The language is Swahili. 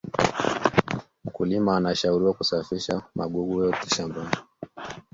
mkuliMA anashauriwa kusafisha magugu yote shambani